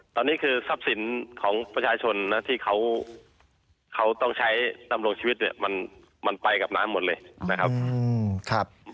ตอนนี้คือทรัพย์สินของประชาชนนะที่เขาต้องใช้ดำรงชีวิตเนี่ยมันไปกับน้ำหมดเลยนะครับ